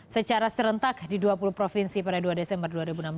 secara serentak di dua puluh provinsi pada dua desember dua ribu enam belas